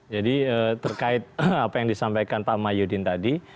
jadi terkait apa yang disampaikan pak mayudin tadi